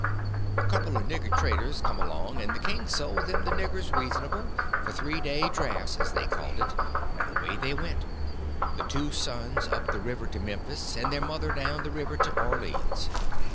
A couple of nigger traders come along, and the king sold them the niggers reasonable, for three day drafts as they called it, and away they went, the two sons up the river to Memphis, and their mother down the river to Orleans.